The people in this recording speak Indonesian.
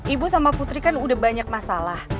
ibu sama putri kan udah banyak masalah